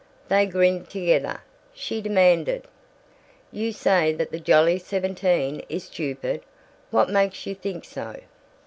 They grinned together. She demanded: "You say that the Jolly Seventeen is stupid. What makes you think so?"